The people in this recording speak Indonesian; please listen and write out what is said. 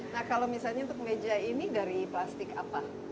nah kalau misalnya untuk meja ini dari plastik apa